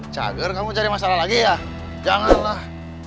cager kamu cari masalah lagi ya janganlah